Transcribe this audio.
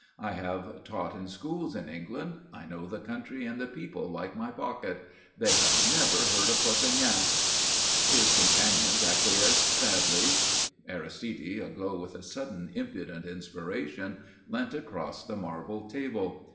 I have taught in schools in England. I know the country and the people like my pocket. They have never heard of Perpignan." His companions acquiesced sadly. Aristide, aglow with a sudden impudent inspiration, leant across the marble table.